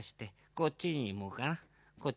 こっちにもだね。